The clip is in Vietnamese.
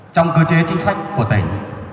trong cơ chế chính sách của tỉnh